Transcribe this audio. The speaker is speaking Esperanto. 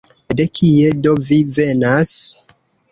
De kie do vi venas?